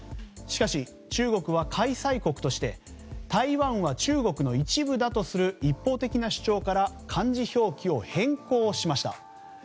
しかし、中国は開催国として台湾は中国の一部だとする一方的な主張から漢字表記を変更しました。